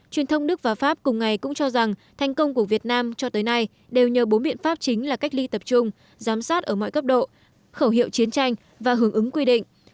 truyền thông đức và pháp cùng ngày cũng cho rằng thành công của việt nam cho tới nay đều nhờ bốn biện pháp chính là cách ly tập trung giám sát ở mọi cấp độ khẩu hiệu chiến tranh và hướng ứng quy định